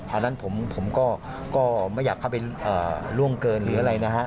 อันนั้นผมก็ไม่อยากเข้าไปล่วงเกินหรืออะไรนะฮะ